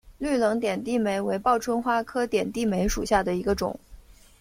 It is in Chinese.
绿棱点地梅为报春花科点地梅属下的一个种。